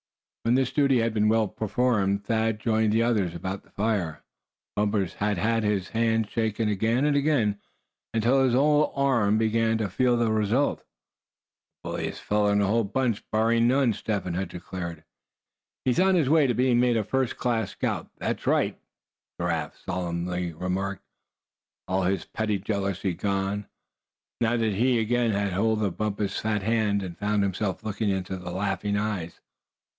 When this duty had been well performed, Thad joined the others about the fire. Bumpus had had his hand shaken again and again until his whole arm began to feel the result. "The bulliest feller in the whole bunch, barring none!" Step Hen had declared. "He's on the way to being made a first class scout, that's right," Giraffe solemnly remarked, all his petty jealousy gone, now that he again had hold of Bumpus' fat hand, and found himself looking into the laughing eyes.